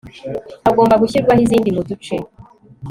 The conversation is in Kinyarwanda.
Hagomba gushyirwaho izindi mu duce